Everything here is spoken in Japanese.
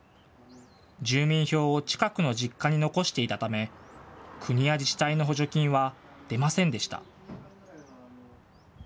住民票を近くの実家に残していたため、国や自治体の補助金は出ませんでした。